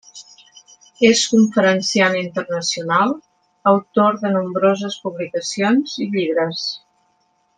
És conferenciant internacional, autor de nombroses publicacions i llibres.